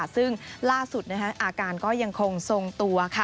ซึ่งล่าสุดอาการก็ยังคงทรงตัว